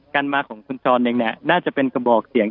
การมาของคุณชรเองเนี่ยน่าจะเป็นกระบอกเสียง